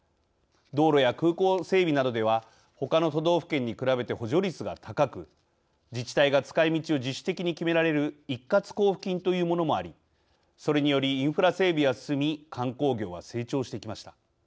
道路や空港整備などではほかの都道府県に比べて補助率が高く自治体が使いみちを自主的に決められる一括交付金というものもありそれによりインフラ整備は進み観光業は成長してきました。